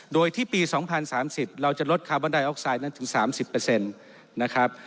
โดยที่ปี๒๐๓๐เราจะลดคาร์บอนไดออกไซดนั้นถึง๓๐นะครับ